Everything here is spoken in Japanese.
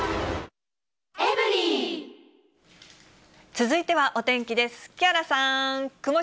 続いてはお天気です。